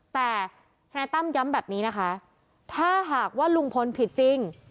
แต่ทนายตั้มย้ำแบบนี้นะคะถ้าหากว่าลุงพลผิดจริง